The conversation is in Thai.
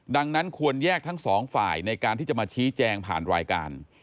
ดังนั้นควรแยกทั้งสองฝ่ายในการที่จะมาชี้แจงผ่านรายการ